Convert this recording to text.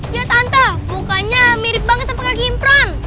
ya tante mukanya mirip banget sama kakek impran